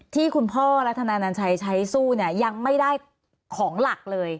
ที่คุณพ่อรัฐนานัญชัยใช้สู้ยังไม่ได้ของหลักเลย